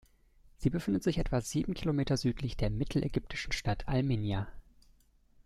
Sie befindet sich etwa sieben Kilometer südlich der mittelägyptischen Stadt Al-Minya.